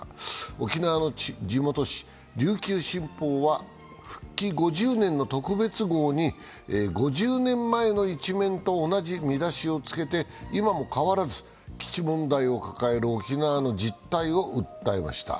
沖縄の地元紙・琉球新報は復帰５０年の特別号に５０年前の１面と同じ見出しをつけて今も変わらず基地問題を抱える沖縄の実態を訴えました。